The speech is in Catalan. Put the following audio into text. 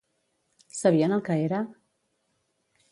Sabien el que era?